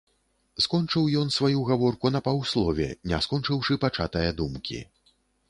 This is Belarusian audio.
Скончыў ён сваю гаворку на паўслове, не скончыўшы пачатае думкі.